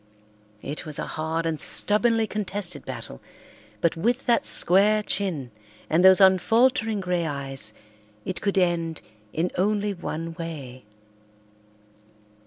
It was a hard and stubbornly contested battle, but with that square chin and those unfaltering grey eyes it could end in only one way.